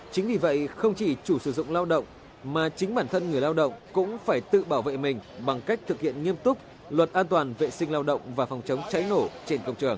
chính vì vậy không chỉ chủ sử dụng lao động mà chính bản thân người lao động cũng phải tự bảo vệ mình bằng cách thực hiện nghiêm túc luật an toàn vệ sinh lao động và phòng chống cháy nổ trên công trường